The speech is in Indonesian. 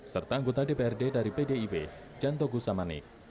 serta anggota dprd dari pdib janto gusamanik